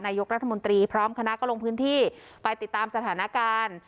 นายกรัฐมนตรีพร้อมคณะก็ลงพื้นที่ไปติดตามสถานการณ์